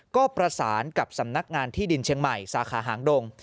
ก็ประสานกับสำนักงานที่ดินเชียงใหม่สาขาหางดง